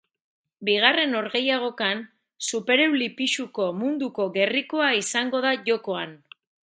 Bigarren norgehiagokan, supereuli pisuko munduko gerrikoa izango da jokoan.